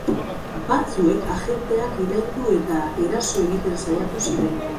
Batzuek agenteak iraindu eta eraso egiten saiatu ziren.